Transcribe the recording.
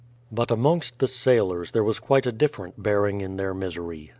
But amongst the sailors there was quite a different bear ing in their misery.